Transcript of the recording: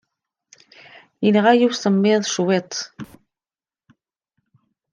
Yenɣa-iyi usemmiḍ cwiṭ.